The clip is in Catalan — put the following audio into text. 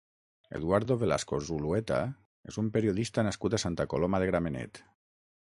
Eduardo Velasco Zulueta és un periodista nascut a Santa Coloma de Gramenet.